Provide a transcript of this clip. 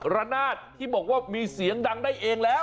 ระนาดที่บอกว่ามีเสียงดังได้เองแล้ว